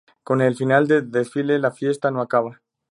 Con el final del desfile la fiesta no acaba.